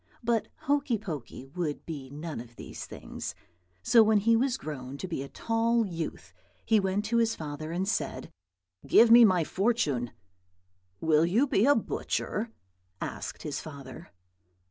But Hokey Pokey would be none of these things; so when he was grown to be a tall youth he went to his father and said, "Give me my fortune." "'Will you be a butcher?' asked his father.